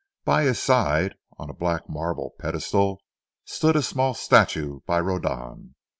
By his side, on a black marble pedestal, stood a small statue by Rodin.